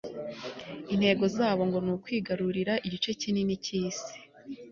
intego zabo, ngo ni ukwigarurira igice kinini k'isi